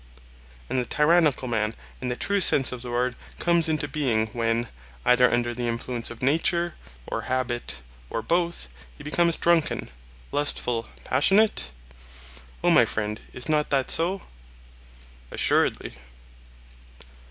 And the tyrannical man in the true sense of the word comes into being when, either under the influence of nature, or habit, or both, he becomes drunken, lustful, passionate? O my friend, is not that so? Assuredly.